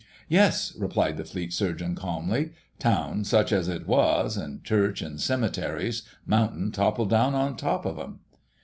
"Yes," replied the Fleet Surgeon calmly. "Town, such as it was, and church and cemeteries, mountain toppled down on top of them!"